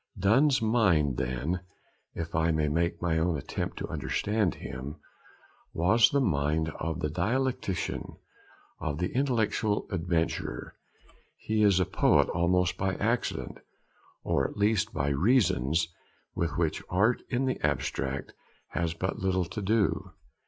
Donne's mind, then, if I may make my own attempt to understand him, was the mind of the dialectician, of the intellectual adventurer; he is a poet almost by accident, or at least for reasons with which art in the abstract has but little to do.